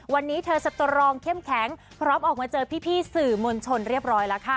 วันนี้เธอสตรองเข้มแข็งพร้อมออกมาเจอพี่สื่อมวลชนเรียบร้อยแล้วค่ะ